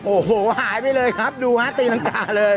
โอ้โฮหายไปเลยครับดูฮะรับไขว้ดรมอังกฎเลย